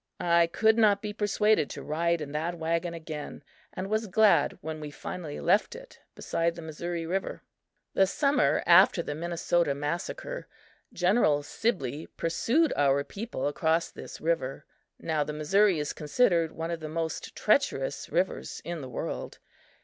I could not be persuaded to ride in that wagon again and was glad when we finally left it beside the Missouri river. The summer after the "Minnesota massacre," General Sibley pursued our people across this river. Now the Missouri is considered one of the most treacherous rivers in the world.